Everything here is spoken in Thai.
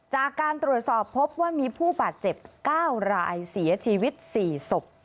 จากการตรวจสอบพบว่ามีผู้บาดเจ็บ๙รายเสียชีวิต๔ศพ